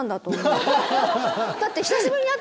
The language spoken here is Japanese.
だって。